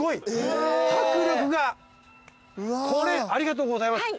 これありがとうございます。